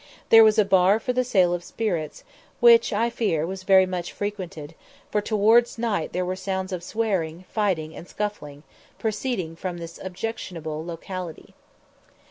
There was a bar for the sale of spirits, which, I fear, was very much frequented, for towards night there were sounds of swearing, fighting, and scuffling, proceeding from this objectionable locality.